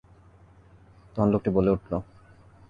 তখন লোকটি বলে উঠল।